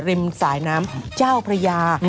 ริมสายน้ำเจ้าพระยา